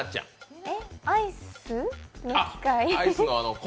アイスの機械？